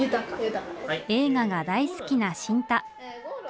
映画が大好きな新太。